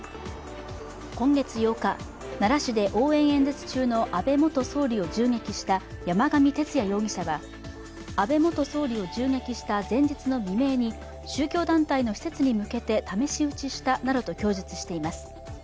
今月８日、奈良市で応援演説中の安倍元総理を銃撃した山上徹也容疑者は、安倍元総理を銃撃した前日の未明に宗教団体の施設に向けて試し撃ちしたなどと供述しています。